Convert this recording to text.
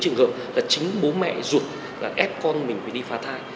chúng tôi đã gặp rất nhiều những trường hợp là chính bố mẹ ruột là ép con mình phải đi phá thai